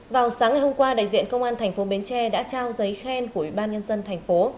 vào sáng ngày hôm qua đại diện công an thành phố bến tre đã trao giấy khen của ubnd thành phố